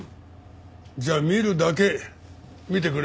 じゃあ見るだけ見てくれる？